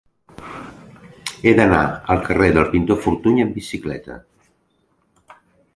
He d'anar al carrer del Pintor Fortuny amb bicicleta.